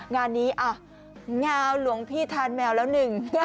งานนี้งาวหลวงพี่ทานแมวแล้วหนึ่ง